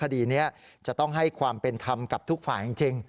คดีนี้จะต้องให้ความเป็นธรรมกับทุกฝ่ายจริง